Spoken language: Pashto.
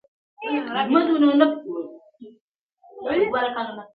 نه یې پښې لامبو ته جوړي نه لاسونه؛